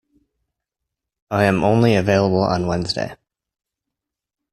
I am only available on Wednesday.